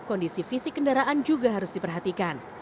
kondisi fisik kendaraan juga harus diperhatikan